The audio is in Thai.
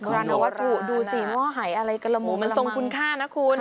โบราณวัตถุดูสีม่อหายอะไรกันละโหมันทรงคุณค่านะคุณ